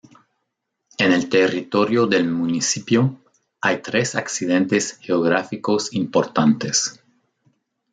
En el territorio del municipio hay tres accidentes geográficos importantes.